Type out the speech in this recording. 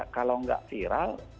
kalau nggak viral